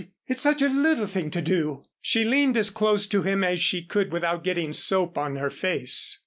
It's such a little thing to do." She leaned as close to him as she could without getting soap on her face.